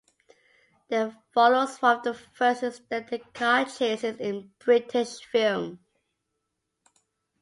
Then follows one of the first extended car chases in British film.